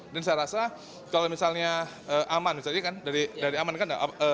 dan saya rasa kalau misalnya aman misalnya kan dari aman kan